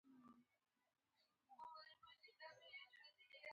بد کوي چې وایې چای د پښتنو دود دی تیارول یې سخت دی